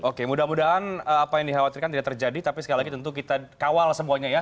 oke mudah mudahan apa yang dikhawatirkan tidak terjadi tapi sekali lagi tentu kita kawal semuanya ya